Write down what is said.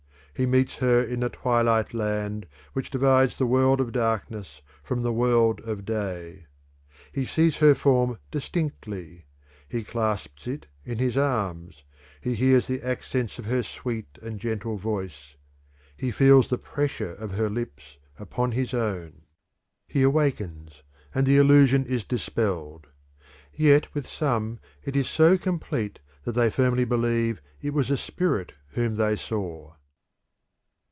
He meets her in the twilight land which divides the world of darkness from the world of day. He sees her form distinctly; he clasps it in his arms; he hears the accents of her sweet and gentle voice; he feels the pressure of her lips upon his own. He awakes, and the illusion is dispelled; yet with some it is so complete that they firmly believe it was a spirit whom they saw.